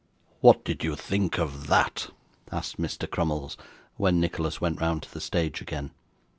'What did you think of that?' asked Mr. Crummles, when Nicholas went round to the stage again.